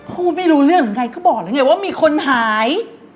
พูดไม่รู้เรื่องอะไรก็บอกแล้วเนี่ยว่ามีคนหาย